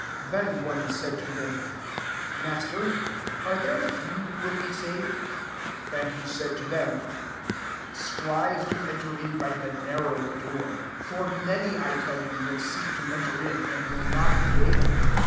23 Then one said to him, Master, are there few who will be saved ?" And he said to them, 24 " Strive to enter in by the narrow door: for many, I tell you, will seek to enter in, and will not be able.